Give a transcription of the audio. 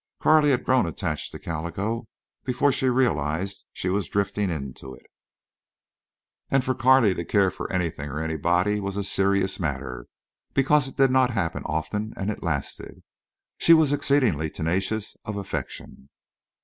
Carley had grown attached to Calico before she realized she was drifting into it; and for Carley to care for anything or anybody was a serious matter, because it did not happen often and it lasted. She was exceedingly tenacious of affection.